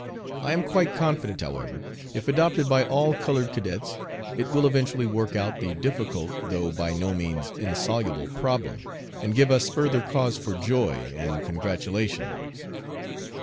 I am quite confident, however, if adopted by all colored cadets, it will eventually work out the difficult though by no means insoluble problem, and give us further cause for joy and congratulations.